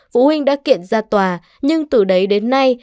phụ huynh đã kiện ra tòa nhưng từ đấy đến nay